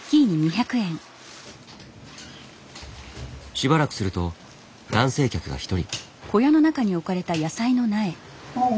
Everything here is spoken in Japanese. しばらくすると男性客が一人。